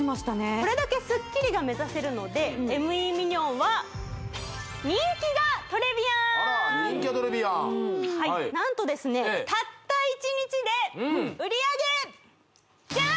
これだけスッキリが目指せるのでＭＥミニョンは人気がトレビアンはい何とですねたった１日で売上ジャン！